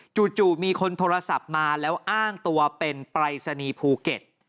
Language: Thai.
จู่มีคนโทรศัพท์มาแล้วอ้างตัวเป็นปรายศนีย์ภูเก็ต